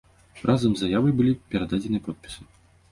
Разам з заявай былі перададзеныя подпісы.